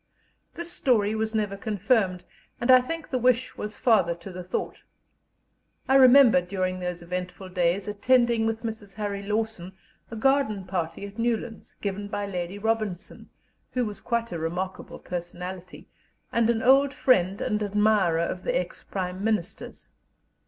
This story was never confirmed, and I think the wish was father to the thought. I remember, during those eventful days, attending with Mrs. Harry Lawson a garden party at Newlands, given by Lady Robinson, who was quite a remarkable personality, and an old friend and admirer of the ex Prime Minister's.